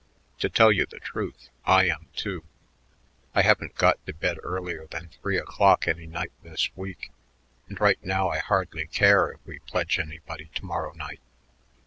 To tell you the truth, I am, too. I haven't got to bed earlier than three o'clock any night this week, and right now I hardly care if we pledge anybody to morrow night."